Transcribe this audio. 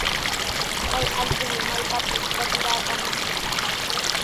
Kay allqumi maypapis qatiraakaman.